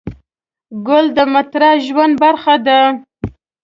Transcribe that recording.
ګل د معطر ژوند برخه ده.